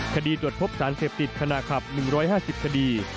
ตรวจพบสารเสพติดขณะขับ๑๕๐คดี